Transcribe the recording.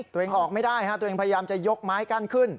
ตัวเองออกไม่ได้ตัวเองพยายามจะยกไม้กั้นขึ้น